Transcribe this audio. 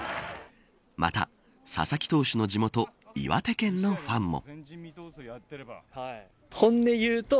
また、佐々木投手の地元岩手県のファンも。